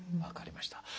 分かりました。